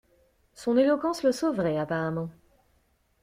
Son éloquence le sauverait apparemment.